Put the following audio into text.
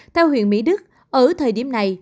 theo huyện mỹ đức ở thời điểm này